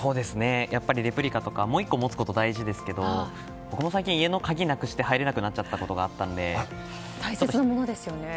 レプリカとかもう１個持つことも大事ですが僕も最近家の鍵なくして家に入れなくなっちゃったことが大切なものですよね。